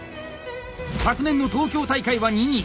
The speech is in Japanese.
昨年の東京大会は２位。